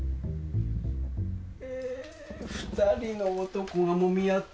えー２人の男がもみ合ってます。